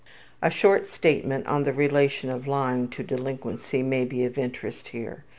'' A short statement on the relation of lying to delinquency may be of interest here.